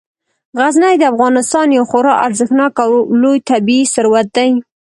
غزني د افغانستان یو خورا ارزښتناک او لوی طبعي ثروت دی.